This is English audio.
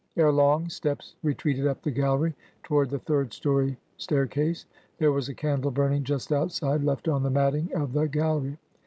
Ere long, steps retreated up the gallery, toward the third story staircase: ... There was a candle burning just outside, left on the matting of the gallery.